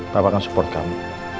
papa kan support kamu